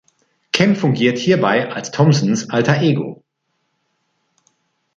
Kemp fungiert hierbei als Thompsons Alter Ego.